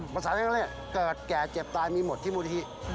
ภาษาแรกเกิดแก่เจ็บตายมีหมดที่มูลิธี